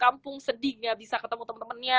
kampung sedih nggak bisa ketemu temen temennya